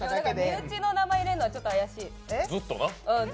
身内の名前入れるのはちょっと怪しい。